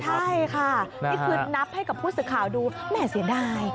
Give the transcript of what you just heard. ใช่ค่ะนี่คือนับให้กับผู้สื่อข่าวดูแหม่เสียดาย